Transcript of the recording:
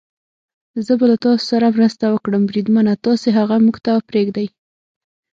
زه به له تاسو سره مرسته وکړم، بریدمنه، تاسې هغه موږ ته پرېږدئ.